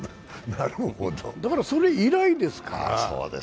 だからそれ以来ですから。